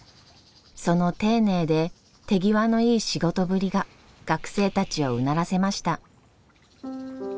その丁寧で手際のいい仕事ぶりが学生たちをうならせました。